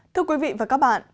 thưa quý vị và các bạn